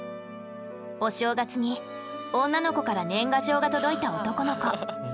お正月に女の子から年賀状が届いた男の子。